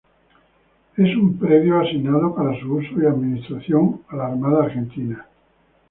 Es un predio asignado para su uso y administración a la Armada Argentina.